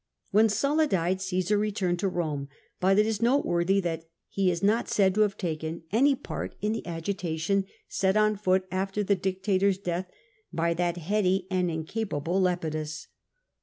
When Sulla died, Ocesar returned to Rome ; but it is noteworthy that he is not said to have taken any part in the agitation set on foot after the dictator's death by the heady and incapable Lepidus.